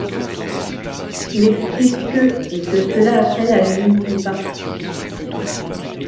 Il explique que et que cela appelle à une du parti.